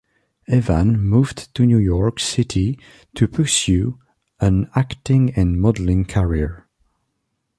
Evan moved to New York City to pursue an acting and modeling career.